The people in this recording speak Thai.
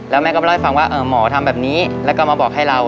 แล้วแม่ก็มาเล่าให้ฟังว่าหมอทำแบบนี้แล้วก็มาบอกให้เรา